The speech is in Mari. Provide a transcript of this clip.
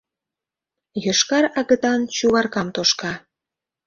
Йошкар агытан Чуваркам тошка.